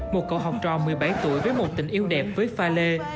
một cậu học trò một mươi bảy tuổi với một tình yêu đẹp với pha lê